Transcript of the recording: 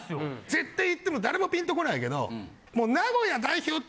絶対言っても誰もピンとこないけど。